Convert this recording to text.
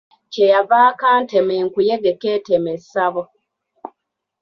Kye yava akantema enkuyege k'etema essabo.